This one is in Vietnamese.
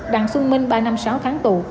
đặng xuân minh ba năm sáu tháng tù